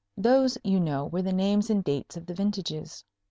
(Those, you know, were the names and dates of the vintages.)